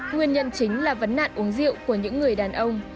nguyên nhân chính là vấn nạn uống rượu của những người đàn ông